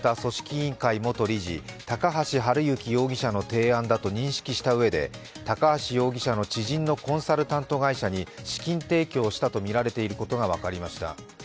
委員会元理事、高橋治之容疑者の提案だと認識したうえで高橋容疑者の知人のコンサルタント会社に資金提供したとみられていることが分かりました。